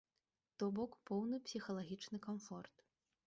То бок, поўны псіхалагічны камфорт.